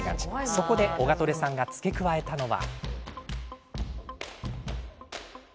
そこでオガトレさんが付け加えたのは。